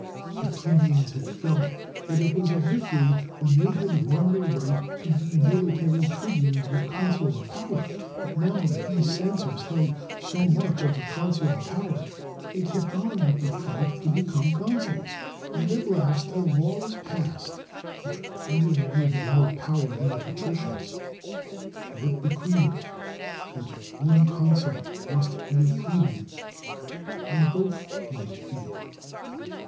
The plebeians had felt that it was a victory when they had won the right to be military tribunes with consular power, but now that these censors held so much of the "consular power," they kept on with the fight to be come consuls; and at last a law was passed which really gave them more power than the patricians, for it de creed that one consul must be a plebeian, and both might be.